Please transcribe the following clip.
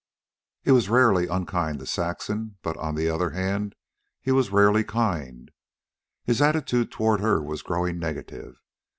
He was rarely unkind to Saxon; but, on the other hand he was rarely kind. His attitude toward her was growing negative.